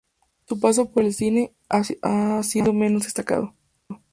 Su paso por el cine ha sido menos destacado.